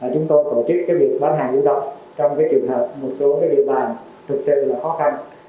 chúng tôi tổ chức cái việc bán hàng lưu động trong cái trường hợp một số cái địa bàn thực sự là khó khăn